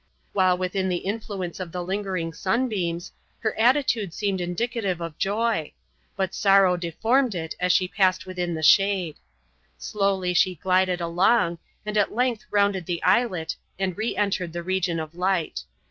While within the influence of the lingering sunbeams, her attitude seemed indicative of joy—but sorrow deformed it as she passed within the shade. Slowly she glided along, and at length rounded the islet and re entered the region of light.